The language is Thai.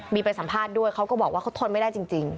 มีไปสัมภาษณ์ด้วยเขาก็บอกว่าเขาทนไม่ได้จริง